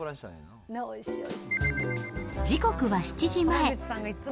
時刻は７時前。